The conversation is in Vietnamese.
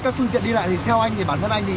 các phương tiện đi lại thì theo anh